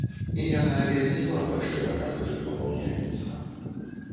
І яна вельмі слаба, шчыра кажучы, папаўняецца.